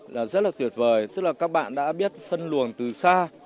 là rất là tuyệt vời tức là các bạn đã biết phân luồng từ xa